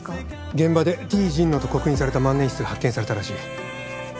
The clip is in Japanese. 現場でＴＪｉｎｎｏと刻印された万年筆が発見されたらしい。